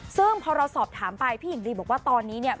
ซึ่งพอเราสอบถามไปพี่หญิงลีบอกว่าตอนนี้เนี่ย